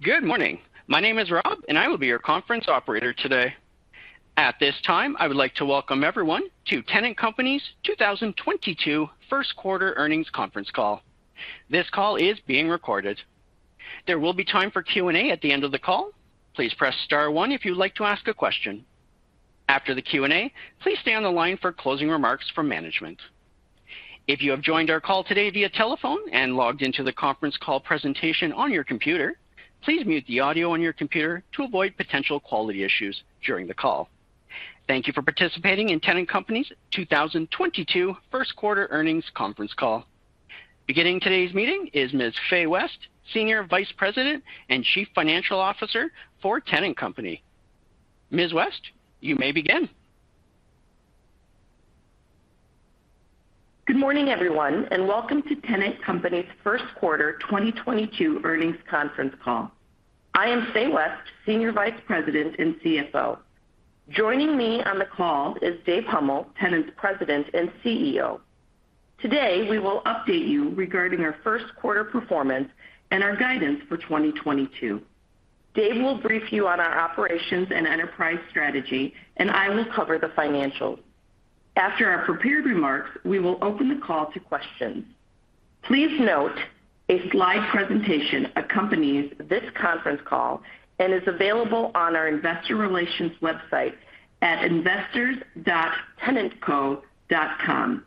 Good morning. My name is Rob, and I will be your conference operator today. At this time, I would like to welcome everyone to Tennant Company's 2022 Q1 earnings conference call. This call is being recorded. There will be time for Q&A at the end of the call. Please press star one if you'd like to ask a question. After the Q&A, please stay on the line for closing remarks from management. If you have joined our call today via telephone and logged into the conference call presentation on your computer, please mute the audio on your computer to avoid potential quality issues during the call. Thank you for participating in Tennant Company's 2022 Q1 earnings conference call. Beginning today's meeting is Ms. Fay West, Senior Vice President and Chief Financial Officer for Tennant Company. Ms. West, you may begin. Good morning, everyone, and welcome to Tennant Company's Q1 2022 earnings conference call. I am Fay West, Senior Vice President and CFO. Joining me on the call is Dave Huml, Tennant's President and CEO. Today, we will update you regarding our Q1 performance and our guidance for 2022. Dave will brief you on our operations and enterprise strategy, and I will cover the financials. After our prepared remarks, we will open the call to questions. Please note, a slide presentation accompanies this conference call and is available on our investor relations website at investors.tennantco.com.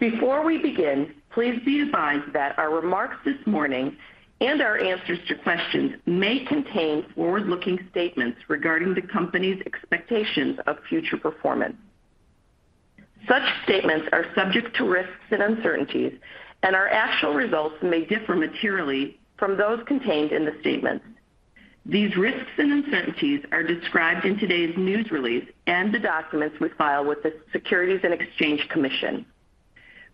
Before we begin, please be advised that our remarks this morning and our answers to questions may contain forward-looking statements regarding the company's expectations of future performance. Such statements are subject to risks and uncertainties, and our actual results may differ materially from those contained in the statements. These risks and uncertainties are described in today's news release and the documents we file with the Securities and Exchange Commission.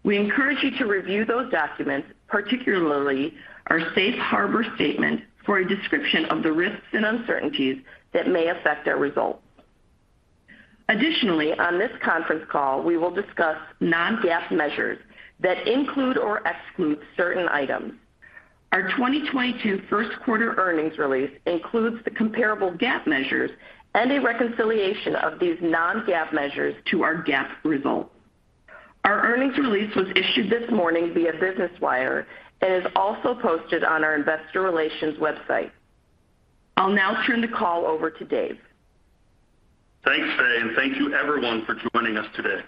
We encourage you to review those documents, particularly our safe harbor statement, for a description of the risks and uncertainties that may affect our results. Additionally, on this conference call, we will discuss non-GAAP measures that include or exclude certain items. Our 2022 Q1 earnings release includes the comparable GAAP measures and a reconciliation of these non-GAAP measures to our GAAP results. Our earnings release was issued this morning via Business Wire and is also posted on our investor relations website. I'll now turn the call over to Dave. Thanks, Fay, and thank you everyone for joining us today.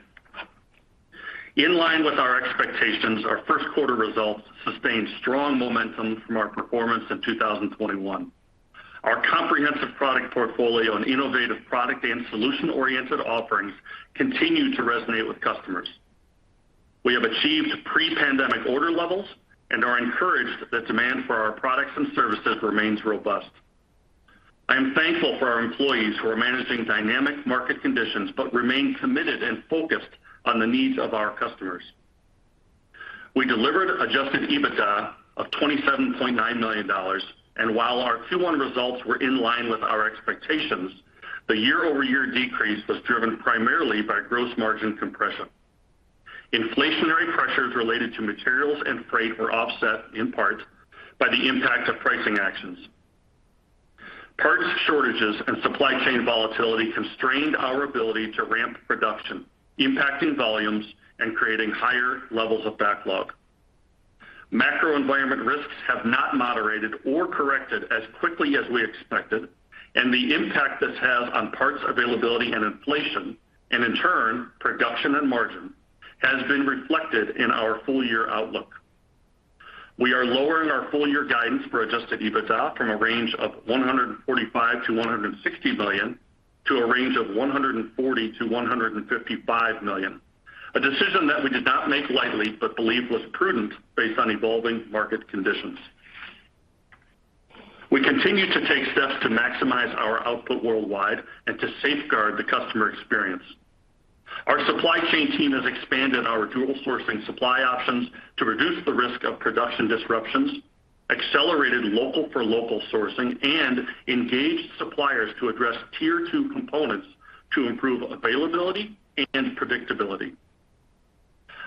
In line with our expectations, our Q1 results sustained strong momentum from our performance in 2021. Our comprehensive product portfolio and innovative product and solution-oriented offerings continue to resonate with customers. We have achieved pre-pandemic order levels and are encouraged that demand for our products and services remains robust. I am thankful for our employees who are managing dynamic market conditions but remain committed and focused on the needs of our customers. We delivered adjusted EBITDA of $27.9 million. While our Q1 results were in line with our expectations, the year-over-year decrease was driven primarily by gross margin compression. Inflationary pressures related to materials and freight were offset in part by the impact of pricing actions. Parts shortages and supply chain volatility constrained our ability to ramp production, impacting volumes and creating higher levels of backlog. Macro environment risks have not moderated or corrected as quickly as we expected, and the impact this has on parts availability and inflation, and in turn, production and margin, has been reflected in our full year outlook. We are lowering our full year guidance for adjusted EBITDA from a range of $145 million-$160 million to a range of $140 million-$155 million, a decision that we did not make lightly but believe was prudent based on evolving market conditions. We continue to take steps to maximize our output worldwide and to safeguard the customer experience. Our supply chain team has expanded our dual sourcing supply options to reduce the risk of production disruptions, accelerated local for local sourcing and engaged suppliers to address tier two components to improve availability and predictability.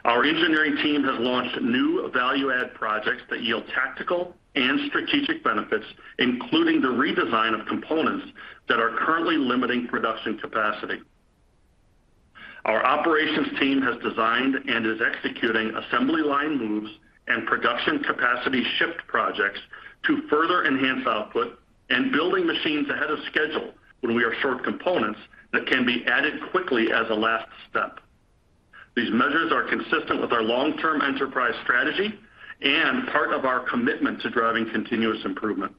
Our engineering team has launched new value add projects that yield tactical and strategic benefits, including the redesign of components that are currently limiting production capacity. Our operations team has designed and is executing assembly line moves and production capacity shift projects to further enhance output and building machines ahead of schedule when we are short components that can be added quickly as a last step. These measures are consistent with our long-term enterprise strategy and part of our commitment to driving continuous improvement.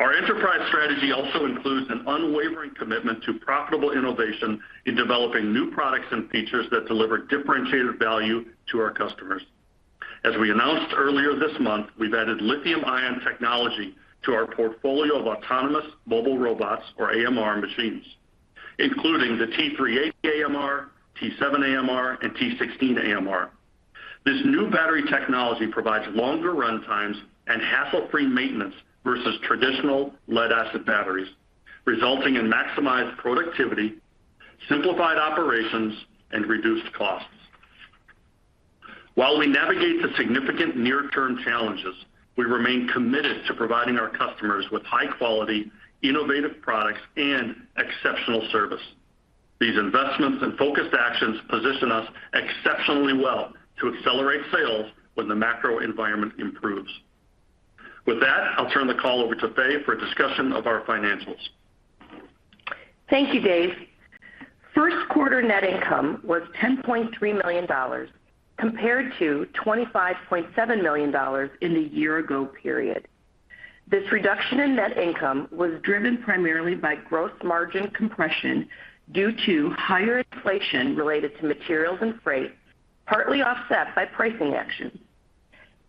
Our enterprise strategy also includes an unwavering commitment to profitable innovation in developing new products and features that deliver differentiated value to our customers. As we announced earlier this month, we've added lithium-ion technology to our portfolio of autonomous mobile robots or AMR machines, including the T380 AMR, T7 AMR, and T16 AMR. This new battery technology provides longer run times and hassle-free maintenance versus traditional lead acid batteries, resulting in maximized productivity, simplified operations, and reduced costs. While we navigate the significant near-term challenges, we remain committed to providing our customers with high quality, innovative products, and exceptional service. These investments and focused actions position us exceptionally well to accelerate sales when the macro environment improves. With that, I'll turn the call over to Fay for a discussion of our financials. Thank you, Dave. Q1 Net income was $10.3 million compared to $25.7 million in the year ago period. This reduction in net income was driven primarily by gross margin compression due to higher inflation related to materials and freight, partly offset by pricing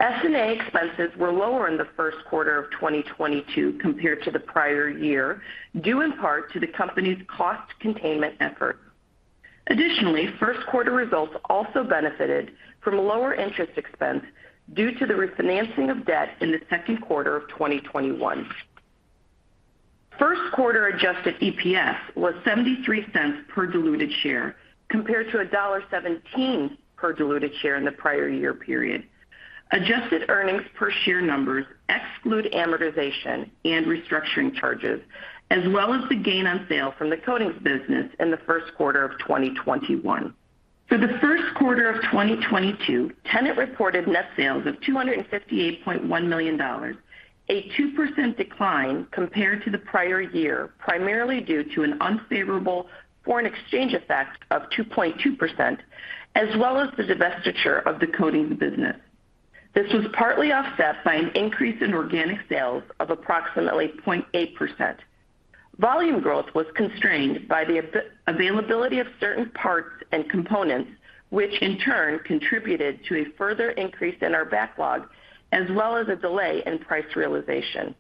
actions. S&A expenses were lower in the Q1 of 2022 compared to the prior year, due in part to the company's cost containment efforts. Additionally, Q1 results also benefited from lower interest expense due to the refinancing of debt in the second quarter of 2021. Q1 Adjusted EPS was $0.73 per diluted share compared to $1.17 per diluted share in the prior year period. Adjusted earnings per share numbers exclude amortization and restructuring charges, as well as the gain on sale from the coatings business in the Q1 of 2021. For the Q1 quarter of 2022, Tennant reported net sales of $258.1 million, a 2% decline compared to the prior year, primarily due to an unfavorable foreign exchange effect of 2.2%, as well as the divestiture of the coatings business. This was partly offset by an increase in organic sales of approximately 0.8%. Volume growth was constrained by the availability of certain parts and components, which in turn contributed to a further increase in our backlog, as well as a delay in price realization.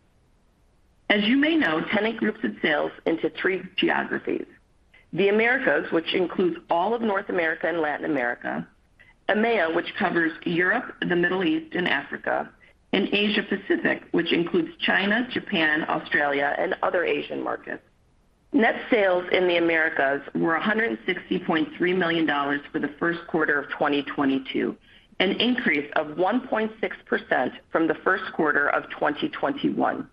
As you may know, Tennant groups its sales into three geographies. The Americas, which includes all of North America and Latin America, EMEA, which covers Europe, the Middle East, and Africa, and Asia Pacific, which includes China, Japan, Australia, and other Asian markets. Net sales in the Americas were $160.3 million for the Q1 of 2022, an increase of 1.6% from the Q1 of 2021.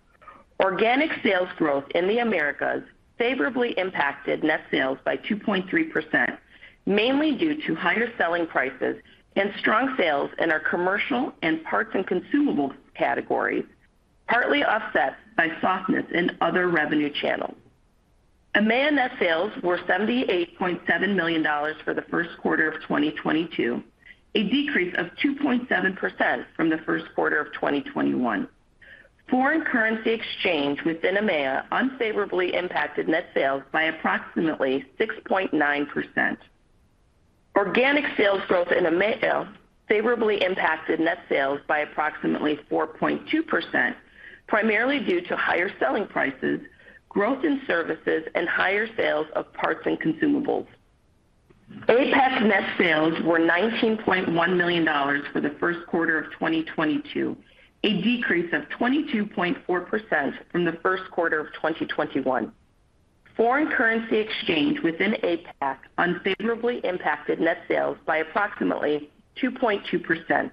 Organic sales growth in the Americas favorably impacted net sales by 2.3%, mainly due to higher selling prices and strong sales in our commercial and parts and consumables categories, partly offset by softness in other revenue channels. EMEA net sales were $78.7 million for the Q1 of 2022, a decrease of 2.7% from the Q1 of 2021. Foreign currency exchange within EMEA unfavorably impacted net sales by approximately 6.9%. Organic sales growth in EMEA favorably impacted net sales by approximately 4.2%, primarily due to higher selling prices, growth in services, and higher sales of parts and consumables. APAC net sales were $19.1 million for the Q1 of 2022, a decrease of 22.4% from the Q1 of 2021. Foreign currency exchange within APAC unfavorably impacted net sales by approximately 2.2%.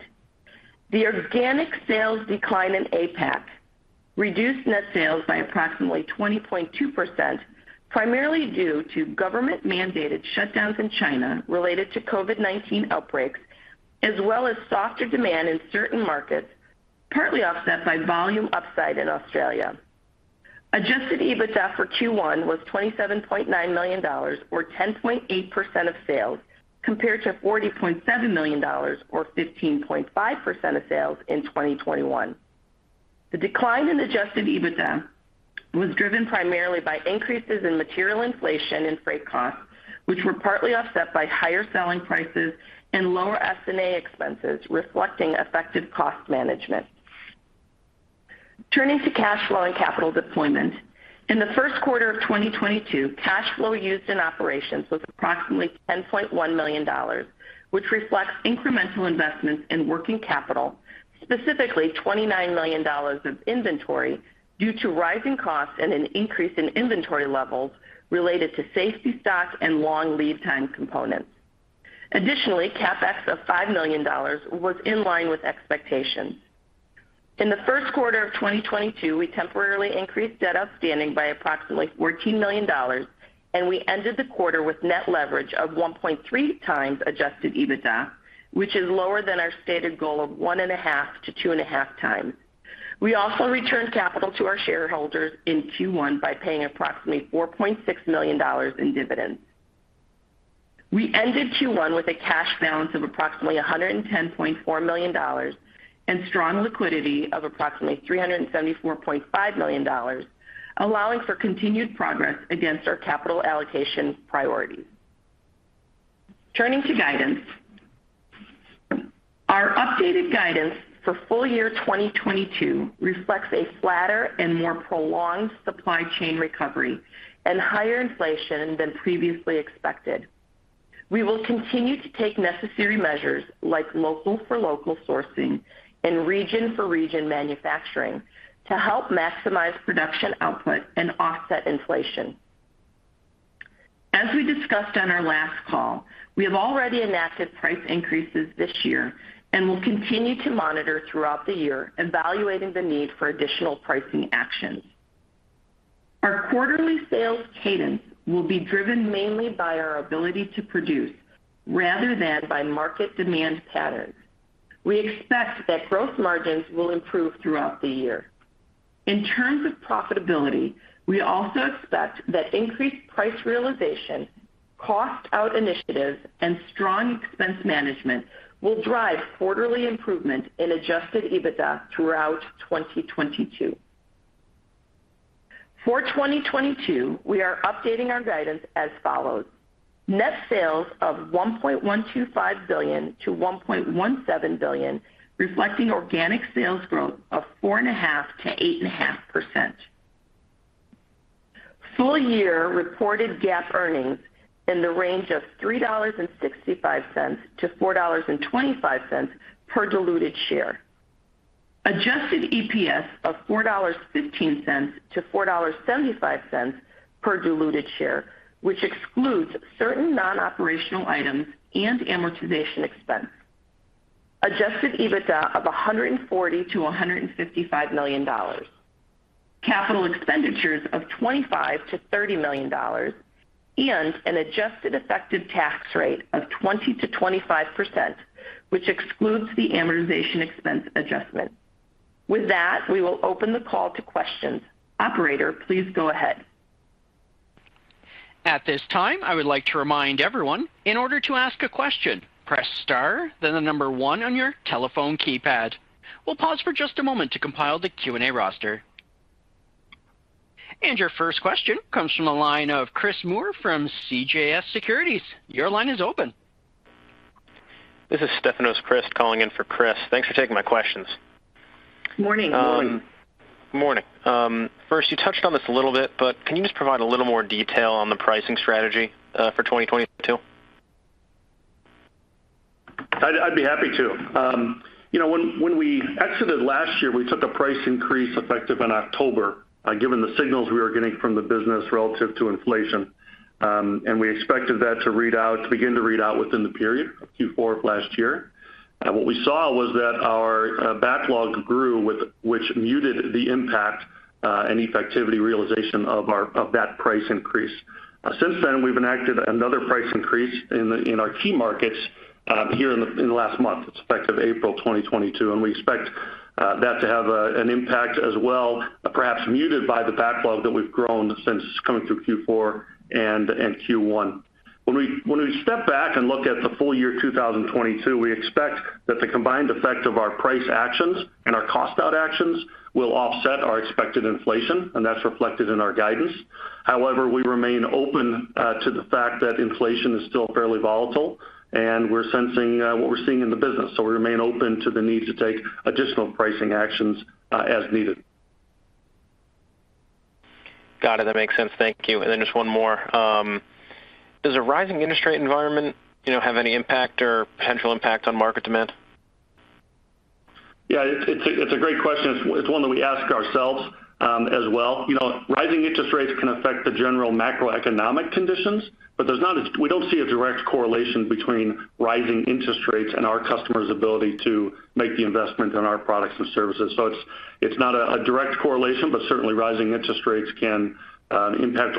The organic sales decline in APAC reduced net sales by approximately 20.2%, primarily due to government-mandated shutdowns in China related to COVID-19 outbreaks, as well as softer demand in certain markets, partly offset by volume upside in Australia. Adjusted EBITDA for Q1 was $27.9 million or 10.8% of sales, compared to $40.7 million or 15.5% of sales in 2021. The decline in adjusted EBITDA was driven primarily by increases in material inflation and freight costs, which were partly offset by higher selling prices and lower S&A expenses, reflecting effective cost management. Turning to cash flow and capital deployment. In the Q1 of 2022, cash flow used in operations was approximately $10.1 million, which reflects incremental investments in working capital, specifically $29 million of inventory due to rising costs and an increase in inventory levels related to safety stock and long lead time components. Additionally, CapEx of $5 million was in line with expectations. In the Q1 of 2022, we temporarily increased debt outstanding by approximately $14 million, and we ended the quarter with net leverage of 1.3x adjusted EBITDA, which is lower than our stated goal of 1.5x-2.5x. We also returned capital to our shareholders in Q1 by paying approximately $4.6 million in dividends. We ended Q1 with a cash balance of approximately $110.4 million and strong liquidity of approximately $374.5 million, allowing for continued progress against our capital allocation priorities. Turning to guidance. Our updated guidance for full year 2022 reflects a flatter and more prolonged supply chain recovery and higher inflation than previously expected. We will continue to take necessary measures like local for local sourcing and region for region manufacturing to help maximize production output and offset inflation. As we discussed on our last call, we have already enacted price increases this year and will continue to monitor throughout the year, evaluating the need for additional pricing actions. Our quarterly sales cadence will be driven mainly by our ability to produce rather than by market demand patterns. We expect that gross margins will improve throughout the year. In terms of profitability, we also expect that increased price realization, cost out initiatives, and strong expense management will drive quarterly improvement in adjusted EBITDA throughout 2022. For 2022, we are updating our guidance as follows: Net sales of $1.125 billion-$1.17 billion, reflecting organic sales growth of 4.5%-8.5%. Full year reported GAAP earnings in the range of $3.65-$4.25 per diluted share. Adjusted EPS of $4.15-$4.75 per diluted share, which excludes certain non-operational items and amortization expense. Adjusted EBITDA of $140 million-$155 million. Capital expenditures of $25 million-$30 million and an adjusted effective tax rate of 20%-25%, which excludes the amortization expense adjustment. With that, we will open the call to questions. Operator, please go ahead. At this time, I would like to remind everyone, in order to ask a question, press star, then the number one on your telephone keypad. We'll pause for just a moment to compile the Q&A roster. Your first question comes from the line of Chris Moore from CJS Securities. Your line is open. This is Stefanos Crist calling in for Chris. Thanks for taking my questions. Morning. Morning. First you touched on this a little bit, but can you just provide a little more detail on the pricing strategy for 2022? I'd be happy to. You know, when we exited last year, we took a price increase effective in October, given the signals we were getting from the business relative to inflation. We expected that to begin to read out within the period of Q4 of last year. What we saw was that our backlog grew which muted the impact and effectiveness realization of that price increase. Since then, we've enacted another price increase in our key markets here in the last month. It's effective April 2022, and we expect that to have an impact as well, perhaps muted by the backlog that we've grown since coming through Q4 and Q1. When we step back and look at the full year 2022, we expect that the combined effect of our price actions and our cost out actions will offset our expected inflation, and that's reflected in our guidance. However, we remain open to the fact that inflation is still fairly volatile, and we're sensing what we're seeing in the business. We remain open to the need to take additional pricing actions as needed. Got it. That makes sense. Thank you. Just one more. Does a rising interest rate environment, you know, have any impact or potential impact on market demand? Yeah, it's a great question. It's one that we ask ourselves as well. You know, rising interest rates can affect the general macroeconomic conditions, but we don't see a direct correlation between rising interest rates and our customers' ability to make the investments in our products and services. So it's not a direct correlation, but certainly rising interest rates can impact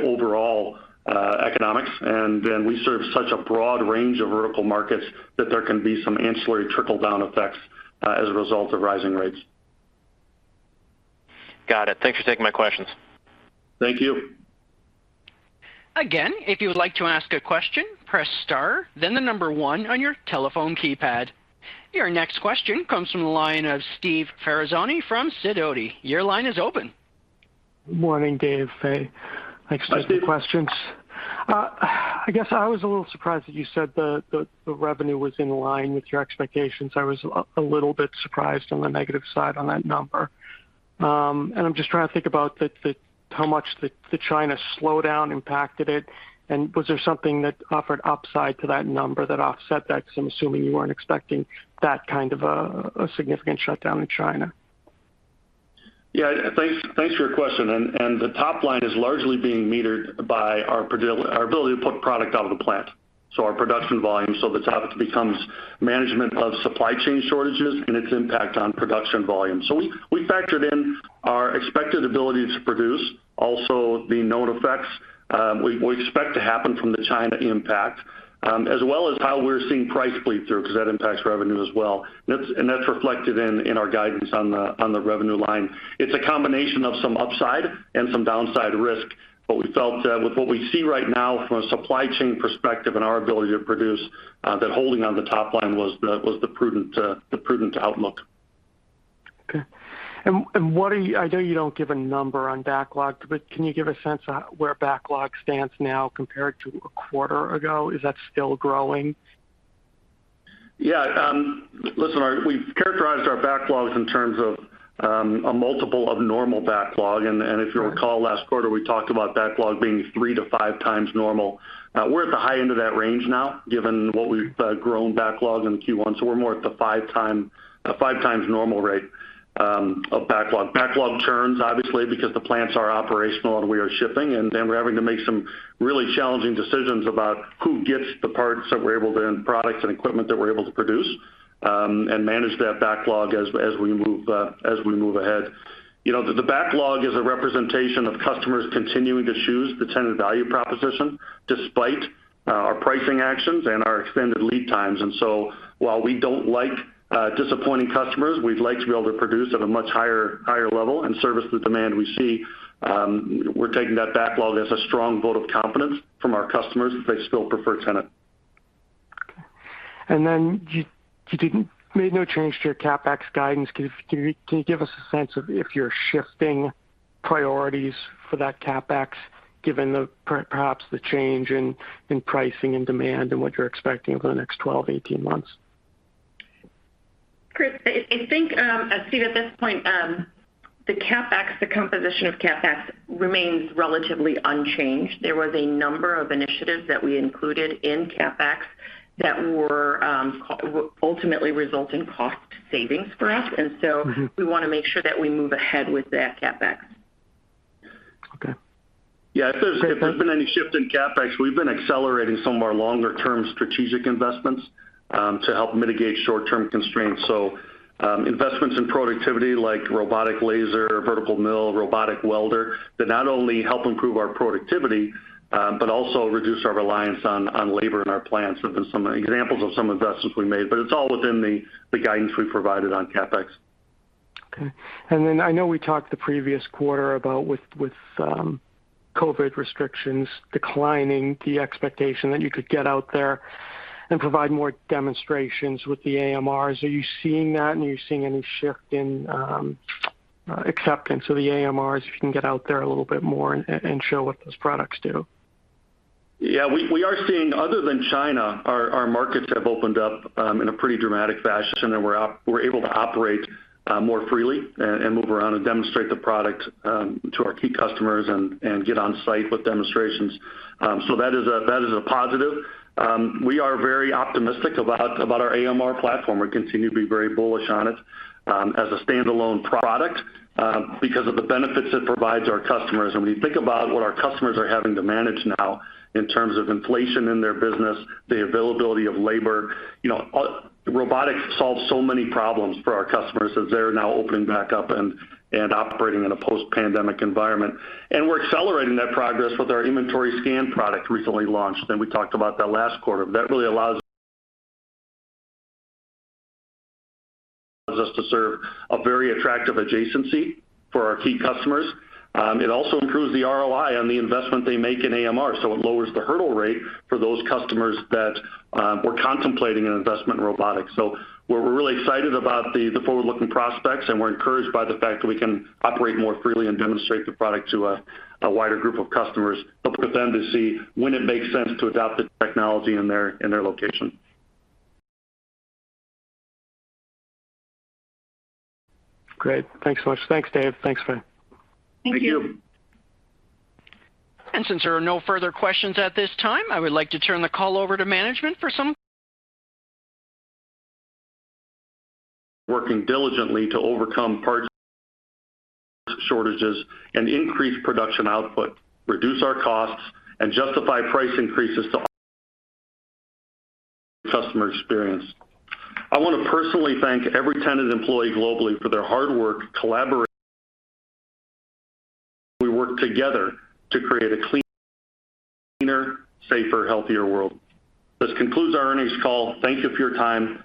overall economics. Then we serve such a broad range of vertical markets that there can be some ancillary trickle-down effects as a result of rising rates. Got it. Thanks for taking my questions. Thank you. Again, if you would like to ask a question, press star, then the number one on your telephone keypad. Your next question comes from the line of Steve Ferazani from Sidoti. Your line is open. Morning, Dave, Faye. Hi, Steve. Thanks for taking the questions. I guess I was a little surprised that you said the revenue was in line with your expectations. I was a little bit surprised on the negative side on that number. I'm just trying to think about how much the China slowdown impacted it. Was there something that offered upside to that number that offset that? 'Cause I'm assuming you weren't expecting that kind of a significant shutdown in China. Yeah. Thanks for your question. The top line is largely being metered by our ability to put product out of the plant, so our production volume. The topic becomes management of supply chain shortages and its impact on production volume. We factored in our expected ability to produce, also the known effects we expect to happen from the China impact, as well as how we're seeing price bleed through 'cause that impacts revenue as well. That's reflected in our guidance on the revenue line. It's a combination of some upside and some downside risk. We felt with what we see right now from a supply chain perspective and our ability to produce that holding on the top line was the prudent outlook. Okay. I know you don't give a number on backlog, but can you give a sense of where backlog stands now compared to a quarter ago? Is that still growing? Yeah. Listen, we've characterized our backlogs in terms of a multiple of normal backlog. If you'll recall, last quarter, we talked about backlog being three to five times normal. We're at the high end of that range now, given what we've grown backlog in Q1. We're more at the five times normal rate of backlog. Backlog turns, obviously, because the plants are operational and we are shipping, and then we're having to make some really challenging decisions about who gets the parts that we're able to and products and equipment that we're able to produce, and manage that backlog as we move ahead. You know, the backlog is a representation of customers continuing to choose the Tennant value proposition despite our pricing actions and our extended lead times. While we don't like disappointing customers, we'd like to be able to produce at a much higher level and service the demand we see, we're taking that backlog as a strong vote of confidence from our customers that they still prefer Tennant. Okay. You made no change to your CapEx guidance. Can you give us a sense of if you're shifting priorities for that CapEx given perhaps the change in pricing and demand and what you're expecting over the next 12-18 months? Chris, I think, Steve, at this point, the CapEx, the composition of CapEx remains relatively unchanged. There was a number of initiatives that we included in CapEx that were ultimately result in cost savings for us. Mm-hmm. We wanna make sure that we move ahead with that CapEx. Okay. Yeah. If there's been any shift in CapEx, we've been accelerating some of our longer term strategic investments to help mitigate short-term constraints. Investments in productivity like robotic laser, vertical mill, robotic welder, that not only help improve our productivity, but also reduce our reliance on labor in our plants have been some examples of some investments we made, but it's all within the guidance we've provided on CapEx. Okay. Then I know we talked the previous quarter about with COVID restrictions declining the expectation that you could get out there and provide more demonstrations with the AMRs. Are you seeing that, and are you seeing any shift in acceptance of the AMRs if you can get out there a little bit more and show what those products do? Yeah. We are seeing other than China, our markets have opened up in a pretty dramatic fashion, and we're able to operate more freely and move around and demonstrate the product to our key customers and get on site with demonstrations. So that is a positive. We are very optimistic about our AMR platform. We continue to be very bullish on it as a standalone product because of the benefits it provides our customers. When you think about what our customers are having to manage now in terms of inflation in their business, the availability of labor, you know, robotics solves so many problems for our customers as they're now opening back up and operating in a post-pandemic environment. We're accelerating that progress with our inventory scan product recently launched, and we talked about that last quarter. That really allows us to serve a very attractive adjacency for our key customers. It also improves the ROI on the investment they make in AMR, so it lowers the hurdle rate for those customers that were contemplating an investment in robotics. We're really excited about the forward-looking prospects, and we're encouraged by the fact that we can operate more freely and demonstrate the product to a wider group of customers, but for them to see when it makes sense to adopt the technology in their location. Great. Thanks so much. Thanks, Dave. Thanks, Fay. Thank you. Thank you. Since there are no further questions at this time, I would like to turn the call over to management for some. Working diligently to overcome parts shortages and increase production output, reduce our costs, and justify price increases to customers' acceptance. I want to personally thank every Tennant employee globally for their hard work, we work together to create a cleaner, safer, healthier world. This concludes our earnings call. Thank you for your time.